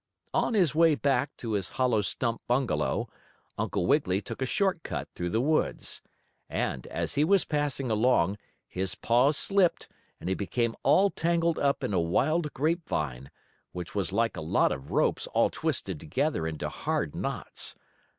On his way back to his hollow stump bungalow, Uncle Wiggily took a short cut through the woods. And, as he was passing along, his paw slipped and he became all tangled up in a wild grape vine, which was like a lot of ropes, all twisted together into hard knots.